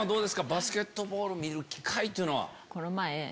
バスケットボール見る機会は。